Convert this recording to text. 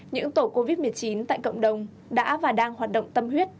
những tổ covid một mươi chín tại cộng đồng đã và đang hoạt động tâm huyết